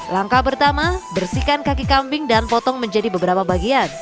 langkah pertama bersihkan kaki kambing dan potong menjadi beberapa bagian